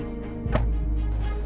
mungkin lo mau mau kerja